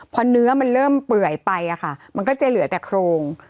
พอเนื้อมันเริ่มเปื่อยไปมันก็จะเหลือแต่โครง